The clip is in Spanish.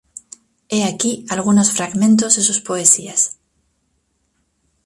He aquí algunos fragmentos de sus poesías.